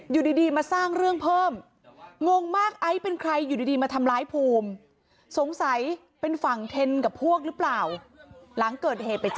อยู่ดีมาสร้างเรื่องเพิ่มงงมากไอซ์เป็นใครอยู่ดีมาทำร้ายภูมิสงสัยไปเจอ